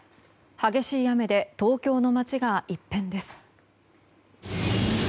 激しい雨で東京の街が一変です。